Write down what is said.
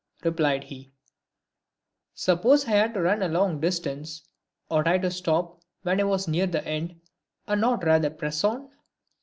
replied he, " suppose I had run a long distance, ought I to stop when I was near the end, and not rather press on?